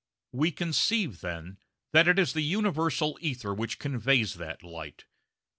We conceive, then, that it is the universal ether which conveys that light.